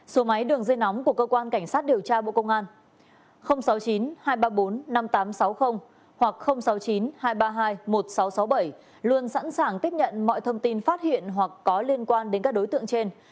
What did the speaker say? số máy đường dây nóng của cơ quan cảnh sát điều tra bộ công an sáu mươi chín hai trăm ba mươi bốn năm nghìn tám trăm sáu mươi hoặc sáu mươi chín hai trăm ba mươi hai một nghìn sáu trăm sáu mươi bảy luôn sẵn sàng tiếp nhận mọi thông tin phát hiện hoặc có liên quan đến các đối tượng trên